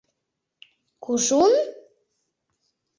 — Кужун?